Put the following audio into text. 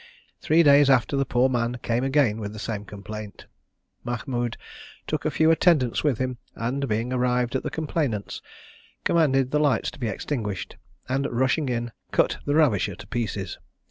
Three days after the poor man came again with the same complaint. Mahmoud took a few attendants with him, and, being arrived at the complainant's, commanded the lights to be extinguished, and rushing in, cut the ravisher to pieces.